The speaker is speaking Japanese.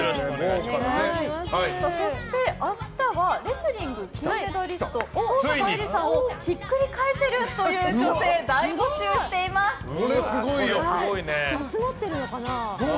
そして、明日はレスリング金メダリスト登坂絵莉さんをひっくり返せるという女性を集まってるのかな。